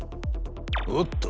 おっと！